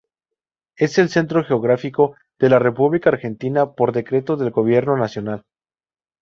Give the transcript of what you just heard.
Es el centro geográfico de la República Argentina, por decreto del gobierno nacional.